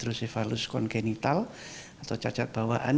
hidrosipalus congenital atau cacat bawaan